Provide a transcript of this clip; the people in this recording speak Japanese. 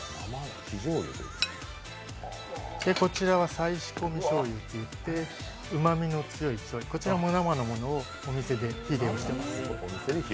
こちらは再仕込みしょうゆといって、うまみの強いこちらも生のものをお店で火を入れています。